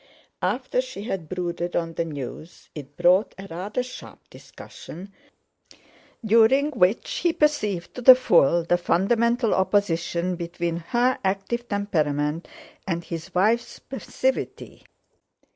After she had brooded on the news, it brought a rather sharp discussion, during which he perceived to the full the fundamental opposition between her active temperament and his wife's passivity.